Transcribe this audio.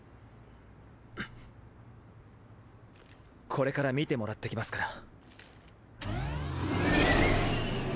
これから診てもらってきますから。